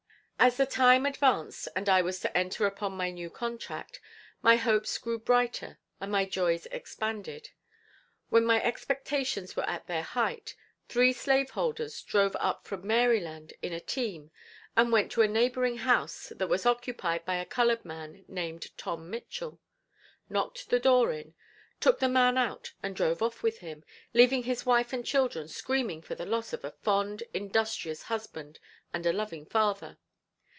As the time advanced and I was to enter upon my new contract, my hopes grew brighter and my joys expanded. When my expectations were at their height, three slave holders drove up from Maryland in a team and went to a neighboring house that was occupied by a colored man named Tom Mitchell, knocked the door in, took the man out and drove off with him, leaving his wife and children screaming for the loss of a fond, industrious husband and a loving father.